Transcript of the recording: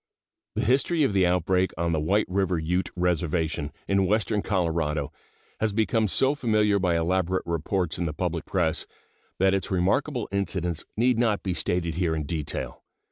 The history of the outbreak on the White River Ute Reservation, in western Colorado, has become so familiar by elaborate reports in the public press that its remarkable incidents need not be stated here in detail.